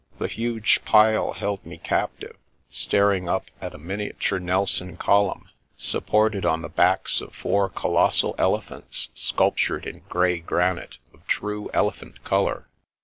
The huge pile held me captive, staring up at a miniature Ndson column, supported on the backs of four colossal elephants sculptured in grey granite of true elephant colour.